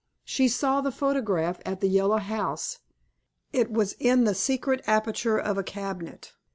"She saw his photograph at the Yellow House. It was in the secret aperture of a cabinet.